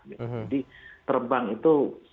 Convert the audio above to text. jadi terbang itu